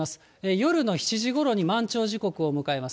夜の７時ごろに満潮時刻を迎えます。